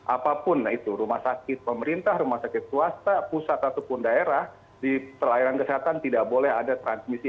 apapun itu rumah sakit pemerintah rumah sakit swasta pusat ataupun daerah di pelayanan kesehatan tidak boleh ada transmisi